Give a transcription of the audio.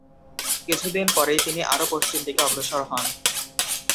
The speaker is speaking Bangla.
কিছুদিন পরেই তিনি আরো পশ্চিম দিকে অগ্রসর হন।